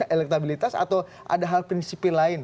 elektabilitas atau ada hal prinsipil lain